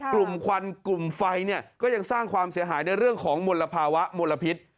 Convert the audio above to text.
ควันกลุ่มไฟเนี่ยก็ยังสร้างความเสียหายในเรื่องของมลภาวะมลพิษ